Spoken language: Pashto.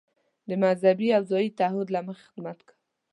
د مذهبي او ځايي تعهد له مخې خدمت کوو.